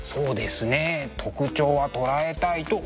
特徴は捉えたいと思っています。